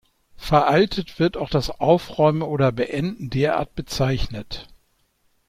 Veraltet wird auch das "Aufräumen" oder "Beenden" derart bezeichnet.